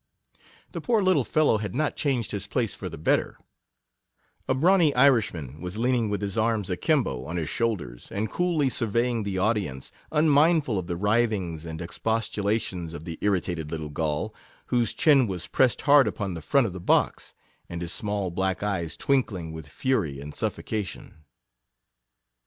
The poor little fellow had not changed his place for the better ; a brawny Irishman was lean ing with his arms a kimbo on his shoulders, and coolly surveying the audience, unmindful of the writhings and expostulations of the ir ritated little Gaul, whose chin was pressed hard upon the front of the box, and his small black eyes twinkling with fury and suffoca 42 tion.